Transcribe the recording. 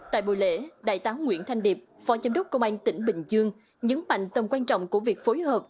tại buổi lễ đại tá nguyễn thanh điệp phó chám đốc công an tỉnh bình dương nhấn mạnh tầm quan trọng của việc phối hợp